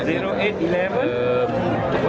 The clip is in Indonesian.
dan perlu di sekolah juga